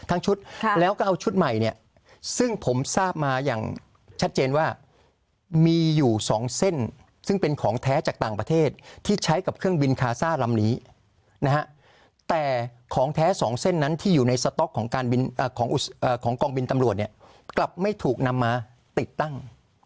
ชุดแล้วก็เอาชุดใหม่เนี่ยซึ่งผมทราบมาอย่างชัดเจนว่ามีอยู่สองเส้นซึ่งเป็นของแท้จากต่างประเทศที่ใช้กับเครื่องบินคาซ่าลำนี้นะฮะแต่ของแท้สองเส้นนั้นที่อยู่ในสต๊อกของการของกองบินตำรวจเนี่ยกลับไม่ถูกนำมาติดตั้ง